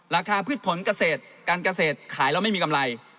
พืชผลเกษตรการเกษตรขายแล้วไม่มีกำไร